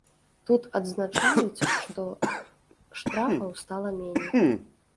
Тут адзначаюць, што штрафаў стала меней.